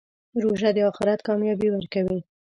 روژه د آخرت کامیابي ورکوي.